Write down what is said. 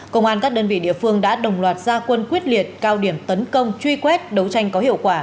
công an các đơn vị địa phương đã đồng loạt gia quân quyết liệt cao điểm tấn công truy quét đấu tranh có hiệu quả